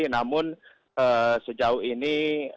namun sejauh ini